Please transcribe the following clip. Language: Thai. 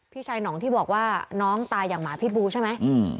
พี่ชายหนองที่บอกว่าน้องตายอย่างหมาพิษบูใช่ไหม